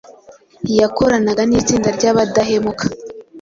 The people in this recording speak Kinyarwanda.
yakoranaga n’itsinda rya abdahemuka